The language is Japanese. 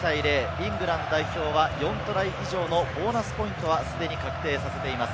イングランド代表は４トライ以上のボーナスポイントは既に確定させています。